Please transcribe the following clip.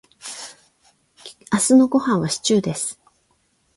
明日のごはんはシチューです。